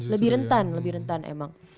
lebih rentan lebih rentan emang